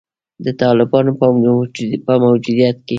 د طالبانو په موجودیت کې